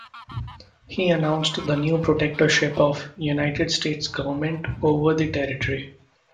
He announced the new protectorship of the United States government over the territory.